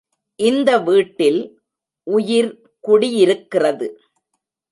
இந்த வீட்டில் உயிர் குடியிருக்கிறது.